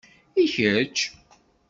I kečč?